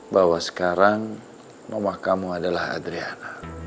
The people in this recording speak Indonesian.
bahwa sekarang rumah kamu adalah adriana